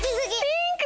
ピンク！